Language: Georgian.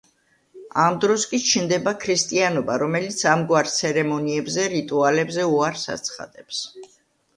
ამ დროს კი ჩნდება ქრისტიანობა, რომელიც ამგვარ ცერემონიებზე, რიტუალებზე უარს აცხადებს.